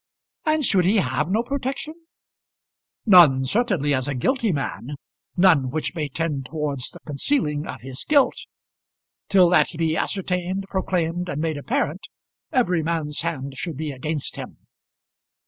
"And should he have no protection?" "None certainly, as a guilty man; none which may tend towards the concealing of his guilt. Till that be ascertained, proclaimed, and made apparent, every man's hand should be against him."